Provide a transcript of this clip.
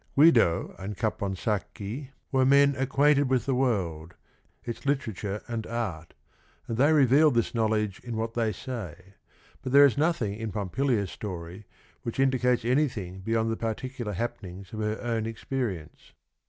Guido and Caponsacchi were men 108 THE RING AND THE BOOK acquainted with the world, its literature and art, and they reveal this knowledge in what they say, but there is nothing in . Pompilia's story which indicates anything beyond the particular happenings of her own experience.